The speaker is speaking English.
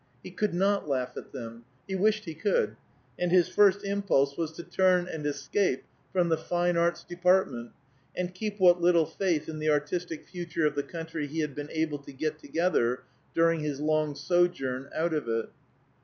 He could not laugh at them; he wished he could; and his first impulse was to turn and escape from the Fine Arts Department, and keep what little faith in the artistic future of the country he had been able to get together during his long sojourn out of it.